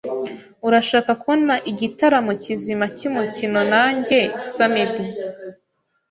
Urashaka kubona igitaramo kizima cyumukino nanjye samedi?